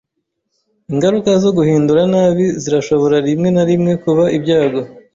Ingaruka zo guhindura nabi zirashobora rimwe na rimwe kuba ibyago.